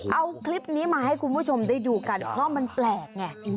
เอาคลิปนี้มาให้คุณผู้ชมได้ดูกันเพราะมันแปลกไง